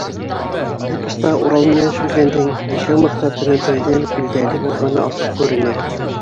Эпоста Урал менән Шүлгәндең йәшәү маҡсатының тәүҙән үк билдәле булғаны асыҡ күренә.